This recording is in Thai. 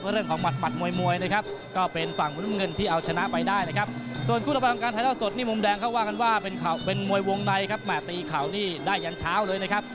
เพื่อเรื่องของหมัดปัดมวยเลยครับก็เป็นฝั่งภาคมงานงานแหลงมุมแดงเขาว่าเป็นมวยวงในมาตีเขานี่ได้อย่างเช้าเลยนะครับ